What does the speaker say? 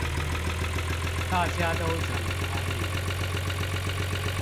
大家都怎麼管理